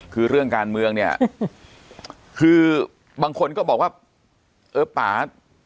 คือเรื่องการเมืองเนี่ยคือบางคนก็บอกว่าเออป่า